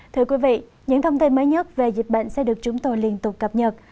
thưa quý vị những thông tin mới nhất về dịch bệnh sẽ được chúng tôi liên tục cập nhật